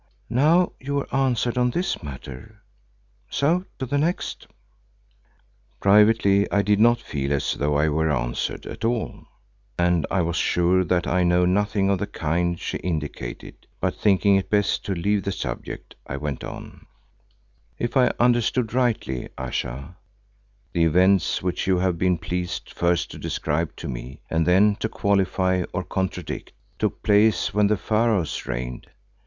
Now you are answered on this matter. So to the next." Privately I did not feel as though I were answered at all and I was sure that I know nothing of the kind she indicated, but thinking it best to leave the subject, I went on, "If I understood rightly, Ayesha, the events which you have been pleased first to describe to me, and then to qualify or contradict, took place when the Pharaohs reigned.